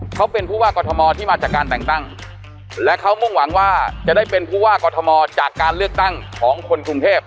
เขาเป็นผู้ว่ากรทมที่มาจากการแต่งตั้งและเขามุ่งหวังว่าจะได้เป็นผู้ว่ากอทมจากการเลือกตั้งของคนกรุงเทพ